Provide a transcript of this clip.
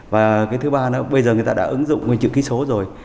và cái thứ ba là bây giờ người ta đã ứng dụng nguyên chữ ký số rồi